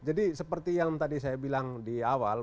jadi seperti yang tadi saya bilang di awal